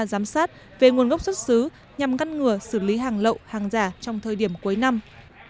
giám sát về nguồn gốc xuất xứ nhằm ngăn ngừa xử lý hàng lậu hàng giả trong thời điểm cuối năm